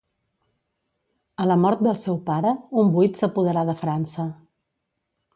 A la mort del seu pare, un buit s'apoderà de França.